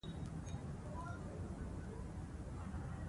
که ملالۍ شهیده نه وای، نوم به یې دومره نه وو یاد.